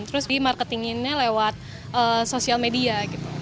terus di marketinginnya lewat sosial media gitu